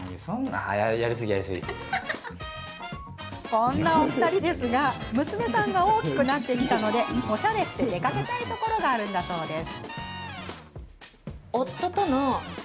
そんなお二人ですが娘さんが大きくなってきたのでおしゃれして出かけたいところがあるんだそうです。